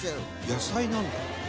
「野菜なんだ」